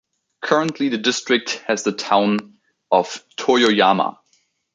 Currently the district has the town of Toyoyama.